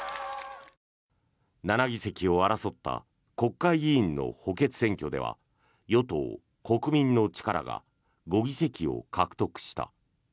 ７議席を争った国会議員の補欠選挙では与党・国民の力が５議席を獲得した。